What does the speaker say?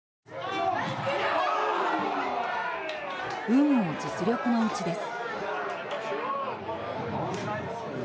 運も実力のうちです。